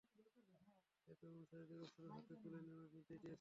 সে তার অনুসারীদের অস্ত্র হাতে তুলে নেওয়ার নির্দেশ দিয়েছে।